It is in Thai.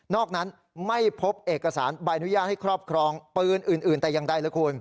อกนั้นไม่พบเอกสารใบอนุญาตให้ครอบครองปืนอื่นแต่อย่างใดเลยคุณ